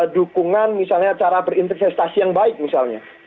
dukungan misalnya cara berinvestasi yang baik misalnya